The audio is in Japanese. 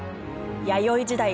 弥生時代